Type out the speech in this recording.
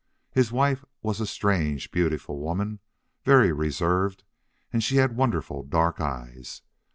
His wife was a strange, beautiful woman, very reserved, and she had wonderful dark eyes.